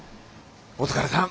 お疲れさん。